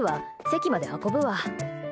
席まで運ぶわ。